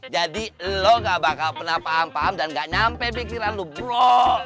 jadi lo gak bakal pernah paham paham dan gak nyampe pikiran lo bro